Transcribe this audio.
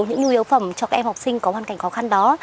những nhu yếu phẩm cho các em học sinh có hoàn cảnh khó khăn đó